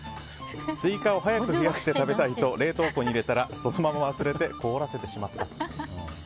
スイカを早く冷やして食べたいと冷凍庫に入れたらそのまま忘れて凍らせてしまったと。